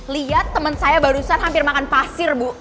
lihat teman saya barusan hampir makan pasir bu